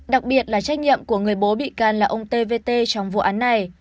đặc biệt là trách nhiệm của người bố bị can là ông t v t trong vụ án này